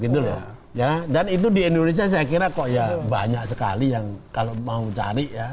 dan itu di indonesia saya kira kok ya banyak sekali yang kalau mau cari ya